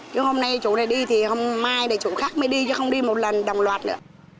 chứ hôm nay chỗ này đi thì hôm mai này chỗ khác mới đi chứ không đi một lần đồng loạt nữa